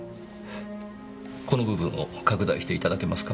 この部分を拡大していただけますか。